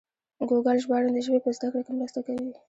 ګوګل ژباړن د ژبې په زده کړه کې مرسته کوي.